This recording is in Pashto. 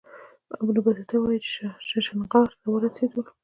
ابن بطوطه وايي چې ششنغار ته ورسېدلو.